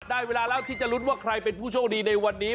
ได้เวลาแล้วที่จะลุ้นว่าใครเป็นผู้โชคดีในวันนี้